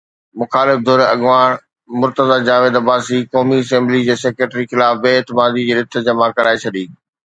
مخالف ڌر اڳواڻ مرتضيٰ جاويد عباسي قومي اسيمبلي جي سيڪريٽري خلاف بي اعتمادي جي رٿ جمع ڪرائي ڇڏي.